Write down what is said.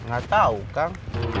gak tau kang